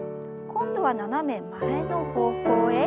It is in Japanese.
今度は斜め前の方向へ。